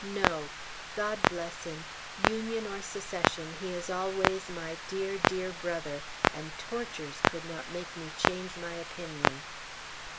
No! God bless him! Union or Secession, he is always my dear, dear Brother, and tortures could not make me change my opinion.